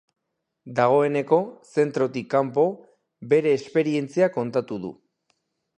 Dagoeneko zentrotik kanpo, bere esperientzia kontatu du.